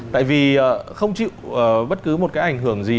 tại vì không chịu bất cứ một cái ảnh hưởng gì